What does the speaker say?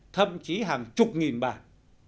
thậm chí hàng chục nghìn bản